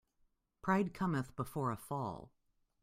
Pride cometh before a fall.